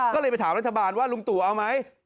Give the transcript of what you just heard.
ก็เลยไปถามรัฐบาลว่าลุงตู่เอาไหม